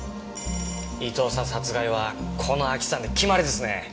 伊東さん殺害はこの空き巣犯で決まりですね！